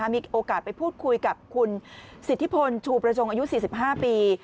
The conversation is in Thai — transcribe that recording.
มีโอกาสไปพูดคุยกับคุณสิทธิพลชูประจงอายุ๔๕ปี